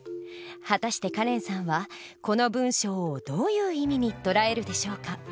果たしてカレンさんはこの文章をどういう意味に捉えるでしょうか？